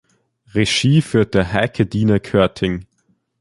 Regie führte Heikedine Körting.